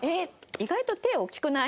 「意外と手大きくない？」